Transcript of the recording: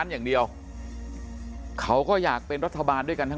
คุณวราวุฒิศิลปะอาชาหัวหน้าภักดิ์ชาติไทยพัฒนา